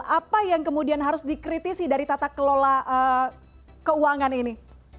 apa yang kemudian harus dikritisi dari tata kelola keuangan ini